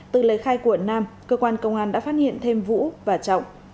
từ lời khai của nam cơ quan công an đã phát hiện thêm vũ và trọng